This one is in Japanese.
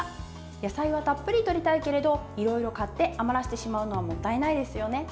野菜はたっぷりとりたいけどいろいろ買って余らせてしまうのはもったいないですよね。